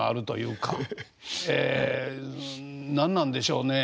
え何なんでしょうね。